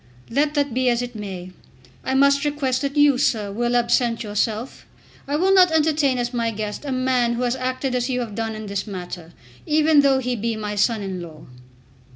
"Let that be as it may, I must request that you, sir, will absent yourself. I will not entertain as my guest a man who has acted as you have done in this matter, even though he be my son in law."